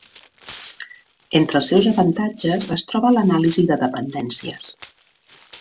Entre els seus avantatges es troba l'anàlisi de dependències.